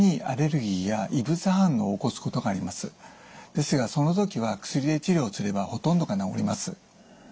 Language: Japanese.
ですがその時は薬で治療すればほとんどが治ります。